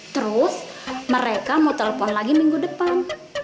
terus mereka mau telepon lagi minggu depan